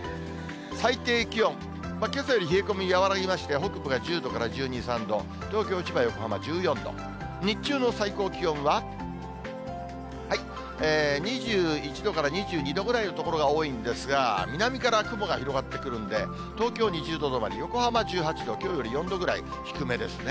最低気温、けさより冷え込み和らぎまして、北部が１０度から１２、３度、東京、千葉、横浜１４度、日中の最高気温は、２１度から２２度ぐらいの所が多いんですが、南から雲が広がってくるんで、東京２０度止まり、横浜１８度、きょうより４度ぐらい低めですね。